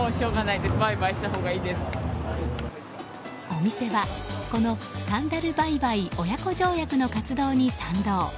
お店は、このサンダルバイバイおやこ条約の活動に賛同。